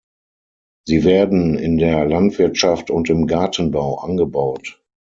Sie werden in der Landwirtschaft und im Gartenbau angebaut.